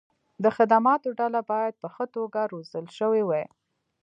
د خدماتو ډله باید په ښه توګه روزل شوې وي.